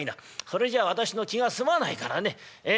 それじゃ私の気が済まないからねええ